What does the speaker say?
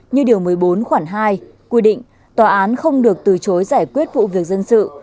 như điều một mươi bốn khoản hai quy định tòa án không được từ chối giải quyết vụ việc dân sự